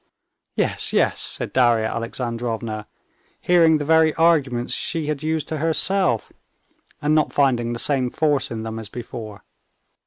"Yes, yes," said Darya Alexandrovna, hearing the very arguments she had used to herself, and not finding the same force in them as before.